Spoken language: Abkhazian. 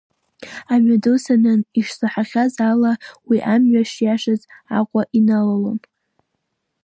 Амҩаду санын, ишсаҳахьаз ала уи амҩа шиашаз Аҟәа иналалон.